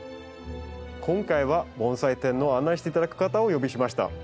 今回は盆栽展の案内して頂く方をお呼びしました。